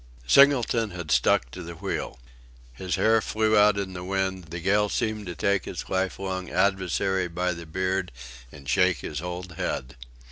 Singleton had stuck to the wheel. His hair flew out in the wind; the gale seemed to take its life long adversary by the beard and shake his old head.